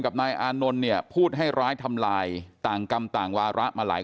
นายอานนท์เนี่ยพูดให้ร้ายทำลายต่างกรรมต่างวาระมาหลาย